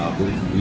dan punya tujuan